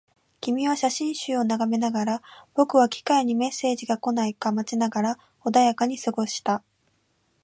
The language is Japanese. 君は写真集を眺めながら、僕は機械にメッセージが来ないか待ちながら穏やかに過ごした